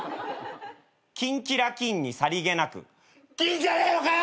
『キンキラキンにさりげなく』ギンじゃねえのかよ！